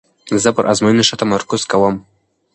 زه پر آزموینو ښه تمرکز کوم.